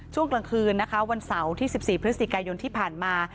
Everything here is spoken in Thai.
ช่วงกลางคืนนะคะวันเสาร์ที่๑๔พฤศจิกายนที่ผ่านมา